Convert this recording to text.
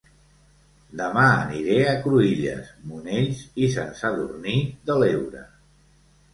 Dema aniré a Cruïlles, Monells i Sant Sadurní de l'Heura